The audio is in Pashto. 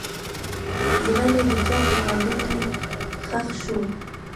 زړه مې د چا په وعدو کې ښخ شو.